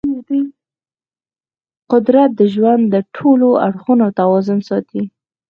قدرت د ژوند د ټولو اړخونو توازن ساتي.